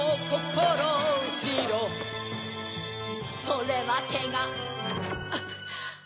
それはけがあっ。